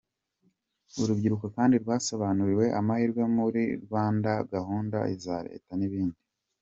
Urubyiruko kandi rwasobanuriwe amahirwe ari mu Rwanda, gahunda za Leta n’ibindi.